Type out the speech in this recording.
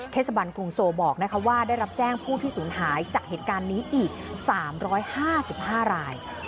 สบันกรุงโซบอกว่าได้รับแจ้งผู้ที่สูญหายจากเหตุการณ์นี้อีก๓๕๕ราย